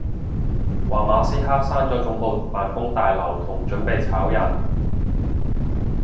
話馬斯克閂咗總部辦公大樓同準備炒人